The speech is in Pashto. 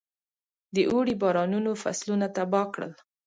د اوړي بارانونو فصلونه تباه کړل.